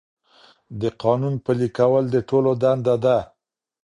د قانون پلي کول د ټولو دنده ده.